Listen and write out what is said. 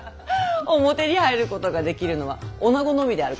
表に入ることができるのは女のみであるからの。